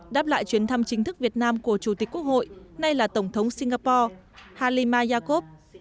đáp lại chuyến thăm chính thức việt nam của chủ tịch quốc hội nay là tổng thống singapore halima yakov